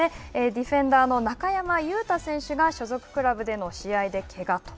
ディフェンダーの中山雄太選手が、所属クラブでの試合で、けがと。